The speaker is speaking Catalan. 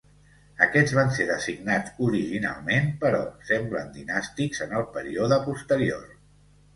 Aquests van ser designats originalment, però semblen dinàstics en el període posterior.